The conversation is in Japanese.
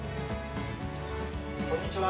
こんにちは。